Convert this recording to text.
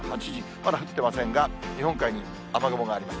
まだ降ってませんが、日本海に雨雲があります。